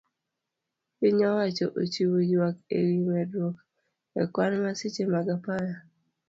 Piny owacho ochiwo yuak ewi medruok e kwan masiche mag apaya